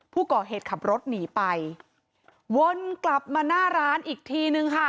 ผู้ก่อเหตุขับรถหนีไปวนกลับมาหน้าร้านอีกทีนึงค่ะ